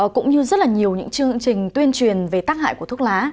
cũng như rất là nhiều những chương trình tuyên truyền về tác hại của thuốc lá